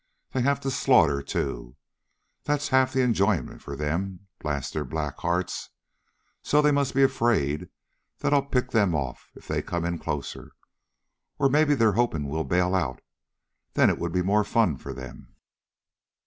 "They have to slaughter, too. That's half the enjoyment for them, blast their black hearts. So they must be afraid that I'll pick them off, if they come in closer. Or maybe they're hoping we'll bail out. Then it would be more fun for them!"